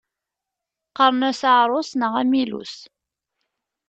Qqaren-as aɛrus neɣ amillus.